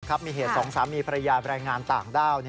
ครับมีเหตุสองสามมีภรรยาแบรนด์งานต่างด้าน